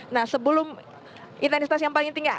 nah sebelum intensitas yang paling tinggi